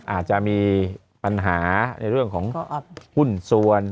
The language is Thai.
อาจจะมีปัญหาในเรื่องของหุ้นส่วน